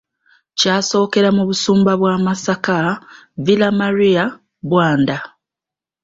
Kyasookera mu Busumba bwa Masaka, Villamaria, Bwanda